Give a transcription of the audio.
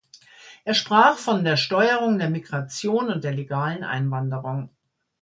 Er sprach von der Steuerung der Migration und der legalen Einwanderung.